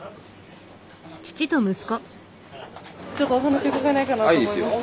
ちょっとお話伺えないかなと思いまして。